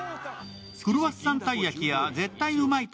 クロワッサンたい焼やぜったいうまい！！